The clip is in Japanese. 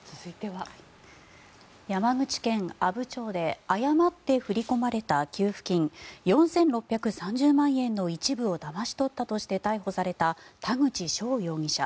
山口県阿武町で誤って振り込まれた給付金４６３０万円の一部をだまし取ったとして逮捕された田口翔容疑者。